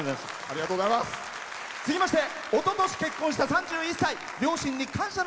続きましておととし、結婚した３１歳。